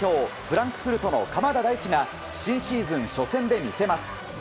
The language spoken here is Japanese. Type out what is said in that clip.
フランクフルトの鎌田大地が新シーズン初戦で見せます。